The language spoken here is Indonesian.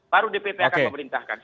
baru dpp akan memerintahkan